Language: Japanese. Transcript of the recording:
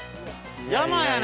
山やな！